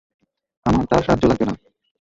আমার তার সাহায্য লাগবে না।